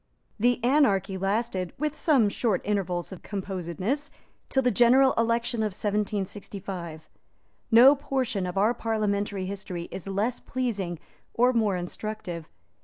The anarchy lasted, with some short intervals of composedness, till the general election of 1765. No portion of our parliamentary history is less pleasing or more instructive.